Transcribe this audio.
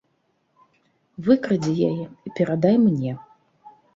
Выкрадзі яе і перадай мне.